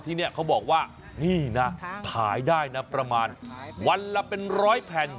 ที่นี่เขาบอกว่านี่นะขายได้นะประมาณวันละเป็นร้อยแผ่น